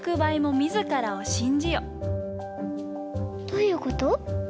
どういうこと？